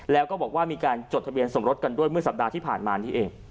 แล้วก็บอกว่ามีการจดทะเบียนสมรสกันด้วยเมื่อสัปดาห์ที่ผ่านมานี่เอง